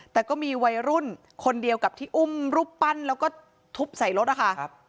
แต่ก็มีวัยรุ่นคนเดียวกับที่อุ้มรูปปั้นแล้วก็ทุบใส่รถนะคะ